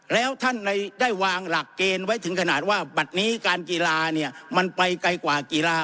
แล้วท่านได้วางหลักเกณฑ์ไว้ถึงขนาดว่าบัตรนี้การกีฬาเนี่ยมันไปไกลกว่ากีฬา